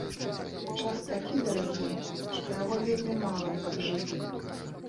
Час такі дарагі, што яго вельмі мала, каб жыць